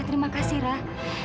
terima kasih rah